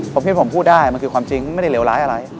เพราะพี่ผมพูดได้มันคือความจริงไม่ได้เลวร้ายอะไร